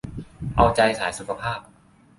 เอาใจสายสุขภาพ